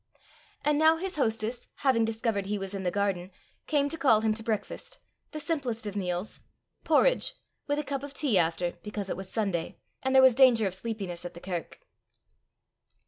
And now his hostess, having discovered he was in the garden, came to call him to breakfast the simplest of meals porridge, with a cup of tea after it because it was Sunday, and there was danger of sleepiness at the kirk.